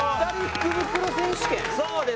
そうです